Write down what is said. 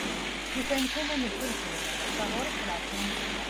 Lukan kan nbeddu lxedma neɣ taɣuri ɣef lɛecra n sbeḥ.